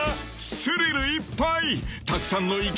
［スリルいっぱい！］